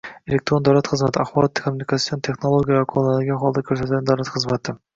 elektron davlat xizmati — axborot-kommunikatsiya texnologiyalari qo‘llanilgan holda ko‘rsatiladigan davlat xizmati.